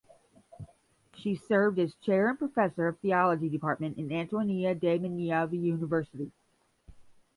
She served as Chair and Professor of Theology Department in Ateneo De Manila University.